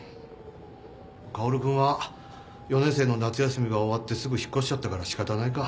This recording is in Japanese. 薫君は４年生の夏休みが終わってすぐ引っ越しちゃったから仕方ないか。